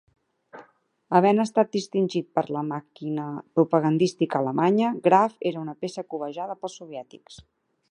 Havent estat distingit per la màquina propagandística alemanya, Graf era una peça cobejada pels soviètics.